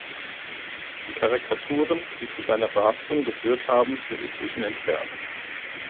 Die Karikaturen, die zu seiner Verhaftung geführt haben, sind inzwischen entfernt.